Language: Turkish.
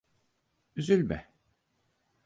Üzülme.